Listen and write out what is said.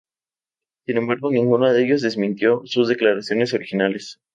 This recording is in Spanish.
Sin embargo, ninguno de ellos desmintió sus declaraciones originales.